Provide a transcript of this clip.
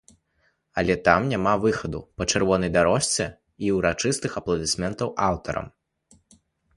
Але там няма выхаду па чырвонай дарожцы і ўрачыстых апладысментаў аўтарам.